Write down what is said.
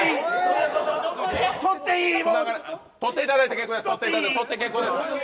取っていただいて結構です。